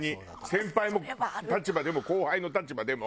先輩の立場でも後輩の立場でも。